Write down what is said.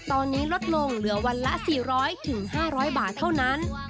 ตอนนี้ลดลงเหลือวันละ๔๐๐๕๐๐บาทเท่านั้น